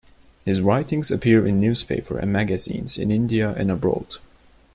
His writings appear in newspapers and magazines in India and abroad.